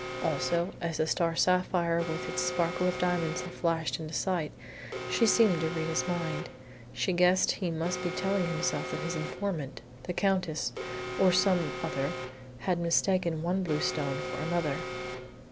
Also, as the star sapphire with its sparkle of diamonds had flashed into sight, she had seemed to read his mind. She guessed he must be telling himself that his informant the Countess, or some other had mistaken one blue stone for another.